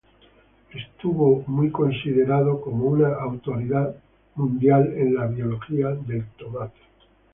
Fue ampliamente considerado como una autoridad líder mundial en la biología de tomate.